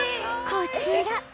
こちら！